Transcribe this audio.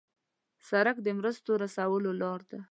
سړک د مرستو رسولو لار ده.